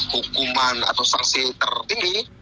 hukuman atau sanksi tertinggi